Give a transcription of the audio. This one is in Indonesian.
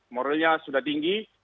moralnya sudah tinggi